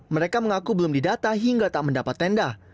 mereka mengaku belum didata hingga tak mendapat tenda